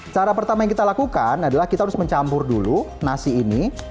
cara pertama yang kita lakukan adalah kita harus mencampur dulu nasi ini